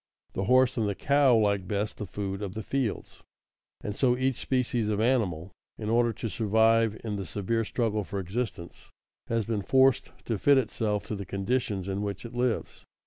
The horse and the cow like best the food of the fields, and so each species of animal, in order to survive in the severe struggle for existence, has been forced to fit itself to the conditions in which it lives.